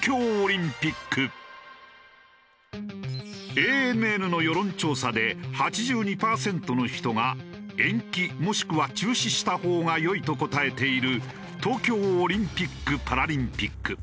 ＡＮＮの世論調査で８２パーセントの人が延期もしくは中止したほうがよいと答えている東京オリンピック・パラリンピック。